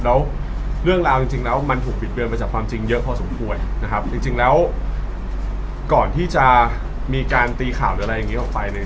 แล้วเรื่องราวจริงแล้วมันถูกปิดเบือนมาจากความจริงเยอะพอสมควรนะครับจริงแล้วก่อนที่จะมีการตีข่าวหรืออะไรอย่างนี้ออกไปเนี่ย